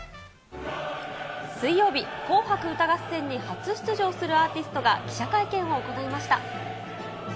水曜日、紅白歌合戦に初出場するアーティストが記者会見を行いました。